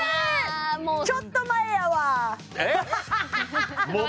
ちょっと前やわえっ？